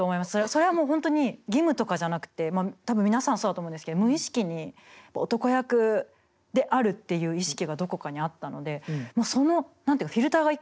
それはもう本当に義務とかじゃなくて多分皆さんそうだと思うんですけど無意識に男役であるっていう意識がどこかにあったのでそのフィルターが一個外れたっていうのが。